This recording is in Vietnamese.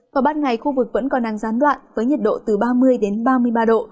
còn ban ngày khu vực vẫn còn nắng gián đoạn với nhiệt độ từ ba mươi đến ba mươi ba độ